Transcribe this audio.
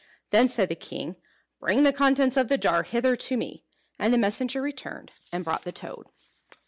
Then said the king, "Bring the contents of the jar hither to me." And the messenger returned and brought the toad.